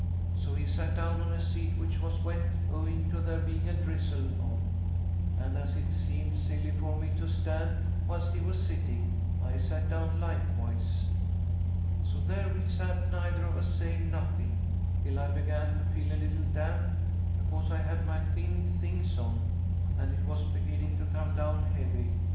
So he sat down on a seat, which was wet, owing to there being a drizzle on, and as it seemed silly for me to stand whilst he was sitting, I sat down likewise. "So there we sat, neither of us saying nothing, till I began to feel a little damp, because I had my thin things on, and it was beginning to come down heavy.